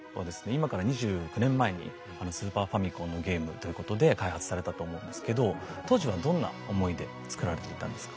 今から２９年前にスーパーファミコンのゲームということで開発されたと思うんですけど当時はどんな思いで作られていたんですか？